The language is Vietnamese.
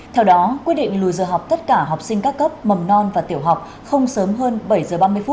theo đó quyết định lùi giờ học tất cả học sinh các cấp mầm non và tiểu học không sớm hơn bảy giờ ba mươi phút